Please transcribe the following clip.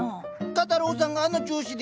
画太郎さんがあの調子で。